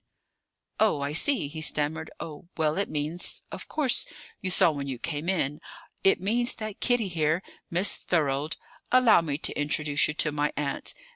"Oh, I see!" he stammered. "Oh, well, it means of course, you saw when you came in? It means that Kitty here Miss Thorold, allow me to introduce you to my aunt.